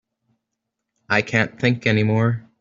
I can't think any more.